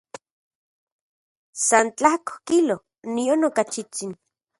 San tlajko kilo, nion okachitsin.